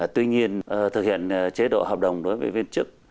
tuy nhiên thực hiện chế độ hợp đồng đối với viên chức